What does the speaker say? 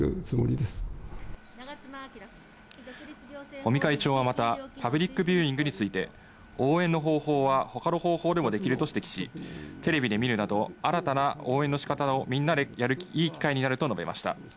尾身会長はまた、パブリックビューイングについて応援の方法は他の方法でもできると指摘し、テレビで見るなど、新たな応援の仕方をみんなでやるいい機会になると述べました。